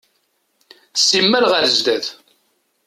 Simmal ɣer zdat.